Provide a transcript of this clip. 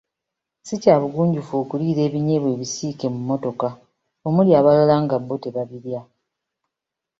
Si kya bugunjufu okuliira ebinyeebwa ebisiike mu mmotoka omuli abalala nga bo tebabirya.